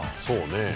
そうね。